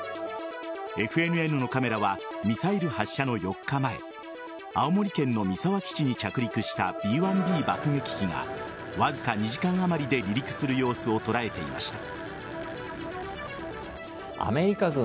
ＦＮＮのカメラはミサイル発射の４日前青森県の三沢基地に着陸したＢ‐１Ｂ爆撃機がわずか２時間あまりで離陸する様子を捉えていました。